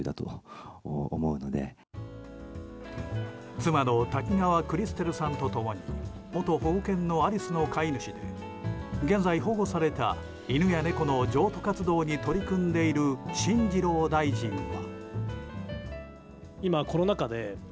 妻の滝川クリステルさんと共に元保護犬のアリスの飼い主で現在、保護された犬や猫の譲渡活動に取り組んでいる進次郎大臣は。